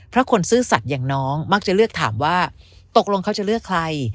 เพราะคนซื่อสัตว์อย่างน้องมักจะเลือกถามว่าตกลงเขาจะเลือกใคร